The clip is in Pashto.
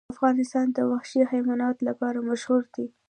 افغانستان د وحشي حیواناتو لپاره مشهور دی.